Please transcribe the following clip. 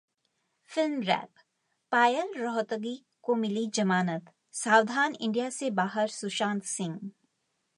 Film Wrap: Payal Rohatgi को मिली जमानत, सावधान इंडिया से बाहर सुशांत सिंह